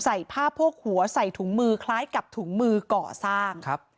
ใส่ผ้าโพกหัวใส่ถุงมือคล้ายกับถุงมือก่อสร้างครับ